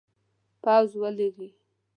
پوځ ولیږي.